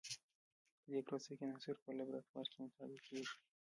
په دې پروسه کې عناصر په لابراتوار کې مطالعه کیږي.